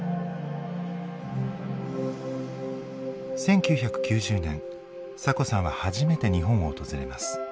１９９０年サコさんは初めて日本を訪れます。